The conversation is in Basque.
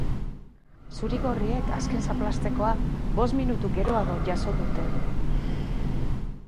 Zuri-gorriek azken zaplastekoa bost minutu geroago jaso dute.